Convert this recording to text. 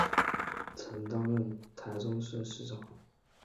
曾担任台中市市长。